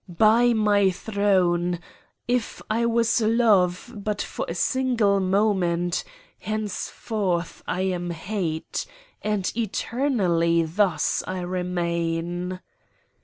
By my throne! if I was Love but for a single moment, henceforth I am Hate and eternally thus I remain.